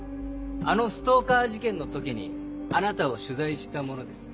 あのストーカー事件の時にあなたを取材した者です。